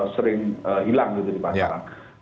sering hilang gitu di pasaran